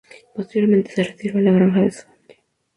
Posteriormente se retiró a la granja de su familia.